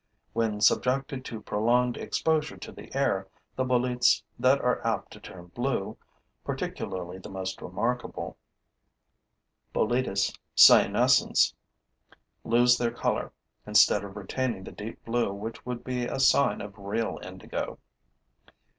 When subjected to prolonged exposure to the air, the boletes that are apt to turn blue, particularly the most remarkable, Boletus cyanescens, lose their color, instead of retaining the deep blue which would be a sign of real indigo.